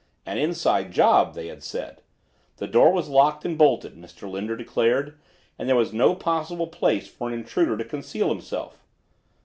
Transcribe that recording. An "inside job," they had said. The door was locked and bolted, Mr. Linder declared, and there was no possible place for an intruder to conceal himself.